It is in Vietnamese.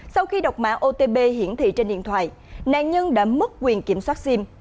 sau khi đọc mã otb hiển thị trên điện thoại nạn nhân đã mất quyền kiểm soát sim